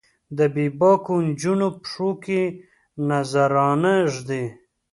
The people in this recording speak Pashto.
د بې باکو نجونو پښو کې نذرانه ږدي